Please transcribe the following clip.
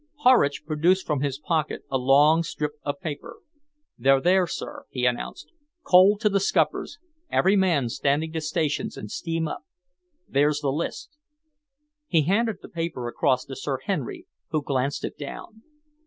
Horridge produced from his pocket a long strip of paper. "They're there, sir," he announced, "coaled to the scuppers, every man standing to stations and steam up. There's the list." He handed the paper across to Sir Henry, who glanced it down.